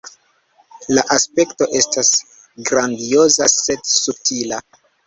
La aspekto estas grandioza sed subtila.